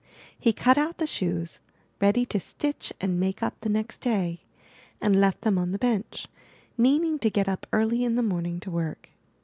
He cut out the shoes, ready to stitch and make up the next day, and left them on the bench, meaning to get up early in the morning to work.